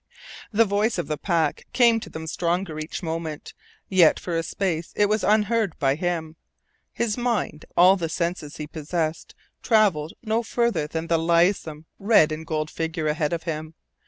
The voice of the pack came to them stronger each moment, yet for a space it was unheard by him. His mind all the senses he possessed travelled no farther than the lithesome red and gold figure ahead of him.